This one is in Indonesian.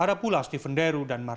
ada pula steven deru dan mara